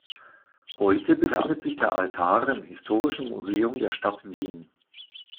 Heute befindet sich der Altar im Historischen Museum der Stadt Wien.